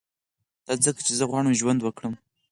دا ځکه چي زه غواړم ژوند وکړم